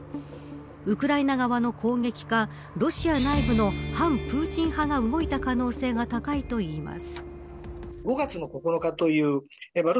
ウクライナ側の攻撃かロシア内部の反プーチン派が動いた可能性が高いと言います。